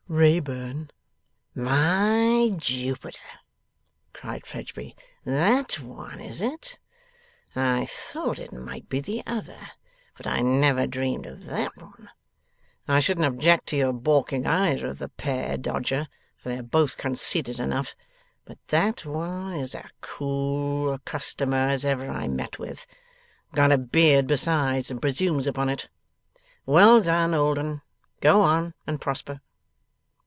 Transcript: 'Wrayburn.' 'By Jupiter!' cried Fledgeby. 'That one, is it? I thought it might be the other, but I never dreamt of that one! I shouldn't object to your baulking either of the pair, dodger, for they are both conceited enough; but that one is as cool a customer as ever I met with. Got a beard besides, and presumes upon it. Well done, old 'un! Go on and prosper!